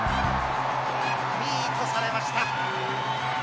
ミートされました。